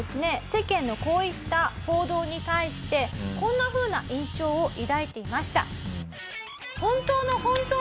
世間のこういった報道に対してこんなふうな印象を抱いていました。